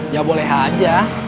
ya boleh aja